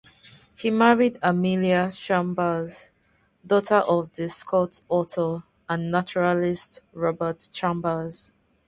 He married Amelia Chambers, daughter of the Scot author and naturalist Robert Chambers.